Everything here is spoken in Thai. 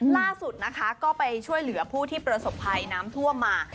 ล่าสุดนะคะก็ไปช่วยเหลือผู้ที่ประสบภัยน้ำท่วมมา